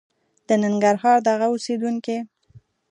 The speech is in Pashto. د ننګرهار دغه اوسېدونکي